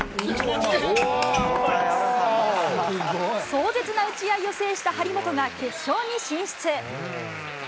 壮絶な打ち合いを制した張本が決勝に進出。